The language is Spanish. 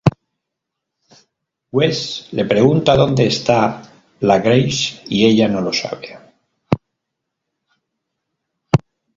Wes le pregunta dónde está la Grace, y ella no lo sabe.